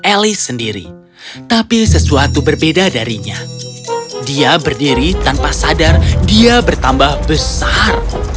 elis sendiri tapi sesuatu berbeda darinya dia berdiri tanpa sadar dia bertambah besar